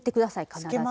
必ず。